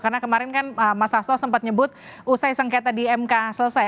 karena kemarin kan mas saslo sempat nyebut usai sengketa di mk selesai